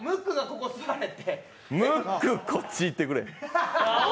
ムック、こっち行ってくれ。